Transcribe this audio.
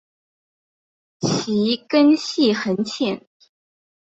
其根系很浅。